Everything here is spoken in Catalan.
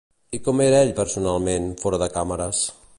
I com era ell personalment, fora de càmeres?